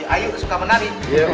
ayu suka menari